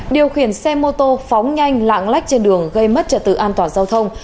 điều khiển xe mô tô phóng nhanh lạng lách trên đường gây mất trật tự an toàn giao thông